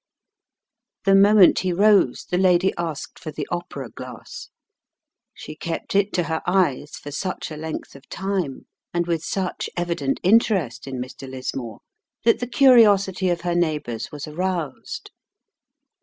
The moment he rose the lady asked for the opera glass. She kept it to her eyes for such a length of time, and with such evident interest in Mr. Lismore, that the curiosity of her neighbours was aroused.